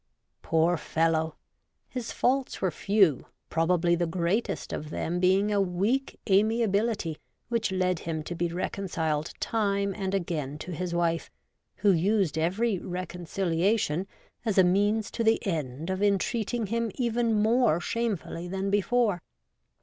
Poor fellow ! his faults were few, pro bably the greatest of them being a weak amia^ bility which led him to be reconciled time and again to his wife, who used every reconciliation as a means to the end of entreating him even more shamefully than before.